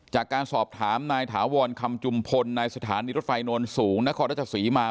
จากการสอบถามนายถาวรคำจุมพลนายสถานีรถไฟโนนสูงนครราชศรีมา